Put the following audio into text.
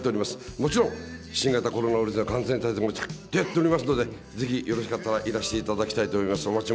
もちろん、新型コロナウイルスの感染対策もしっかりやっておりますので、ぜひ、よろしかったらいらしていただきたいと思います。